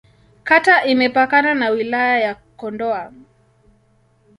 Kata imepakana na Wilaya ya Kondoa.